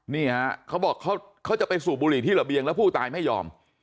นี่ฮะเขาบอกเขาจะไปสูบบุหรี่ที่ระเบียงแล้วผู้ตายไม่ยอม